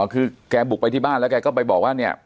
คือแกบุกไปที่บ้านแล้วแกก็ไปบอกว่าเนี่ย